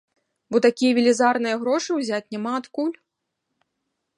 Бо такія велізарныя грошы ўзяць няма адкуль.